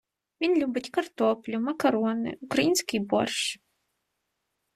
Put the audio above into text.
Він любить картоплю, макарони, український борщ.